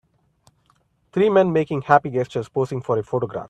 Three men making happy gestures posing for a photograph